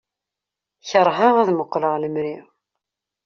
Kerheɣ ad muqleɣ lemri.